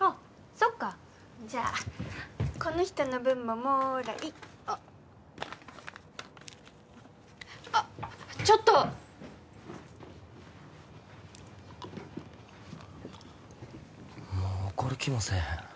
そっかじゃあこの人の分ももらいあっあっちょっともう怒る気もせえへん